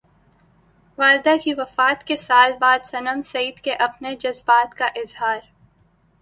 والدہ کی وفات کے سال بعد صنم سعید کا اپنے جذبات کا اظہار